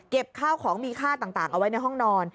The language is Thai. ข้าวของมีค่าต่างเอาไว้ในห้องนอน